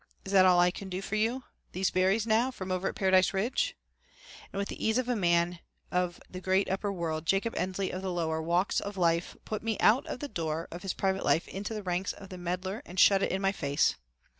Is that all I can do for you? These berries now, from over at Paradise Ridge?" And with the ease of a man of the great upper world Jacob Ensley of the lower walks of life put me out of the door of his private life into the ranks of the meddler and shut it in my face.